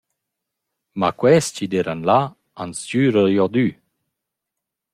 Ma quels chi d’eiran là han sgüra giodü.